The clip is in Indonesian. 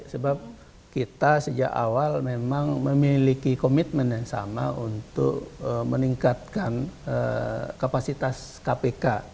sebab kita sejak awal memang memiliki komitmen yang sama untuk meningkatkan kapasitas kpk